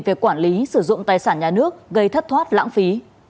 về quản lý sử dụng tài sản nhà nước gây thất thoát lãng phí